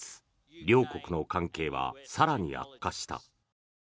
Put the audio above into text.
両国の関係は更に悪化した。